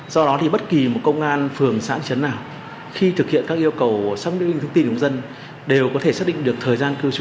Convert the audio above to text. do đó thì bất kỳ một công an phường xã hội chấn nào khi thực hiện các yêu cầu xác minh thông tin của công dân đều có thể xác định được thời gian cư trú